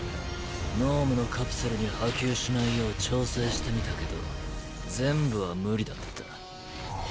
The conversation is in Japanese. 脳無のカプセルに波及しないよう調整してみたけど全部はムリだった。